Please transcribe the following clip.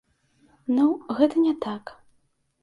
Ну, гэта не так.